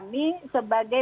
apa yang anda lakukan